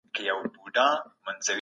تاسو باید خپل لپټاپونه تل پاک وساتئ.